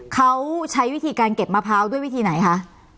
เขาใช้วิธีการเก็บมะพร้าวด้วยวิธีไหนคะ